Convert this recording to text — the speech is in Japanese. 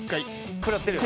食らってるよね。